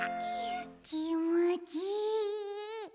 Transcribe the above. きもちいい。